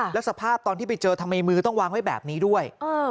แล้วสภาพตอนที่ไปเจอทำไมมือต้องวางไว้แบบนี้ด้วย